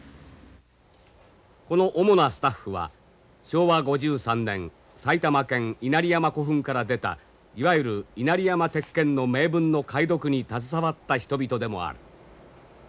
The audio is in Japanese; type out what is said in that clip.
この主なスタッフは昭和５３年埼玉県稲荷山古墳から出たいわゆる稲荷山鉄剣の銘文の解読に携わった人々でもある。